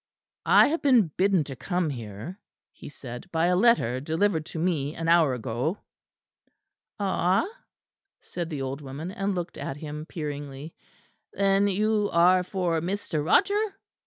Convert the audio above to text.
"I have been bidden to come here," he said, "by a letter delivered to me an hour ago." "Ah," said the old woman, and looked at him peeringly, "then you are for Mr. Roger?"